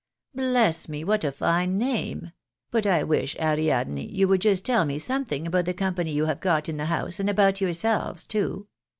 " Bless me ! what a fine name ! But I wish, Ariadne, you ■would just tell me something about the company you have got in the house, and about yourselves too.